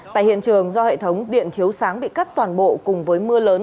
tại hiện trường do hệ thống điện chiếu sáng bị cắt toàn bộ cùng với mưa lớn